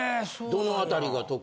どの辺りが特に？